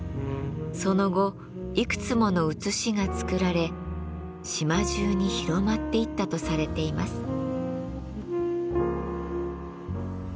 その後いくつもの写しが作られ島じゅうに広まっていったとされています。